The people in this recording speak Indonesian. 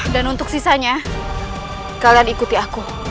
dan untuk sisanya kalian ikuti aku